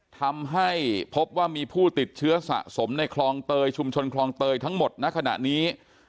ทำให้พบว่ามีผู้ติดเชื้อสะสมในคลองเตยชุมชนคลองเตยทั้งหมดณขณะนี้